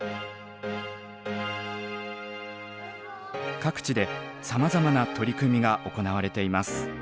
各地でさまざまな取り組みが行われています。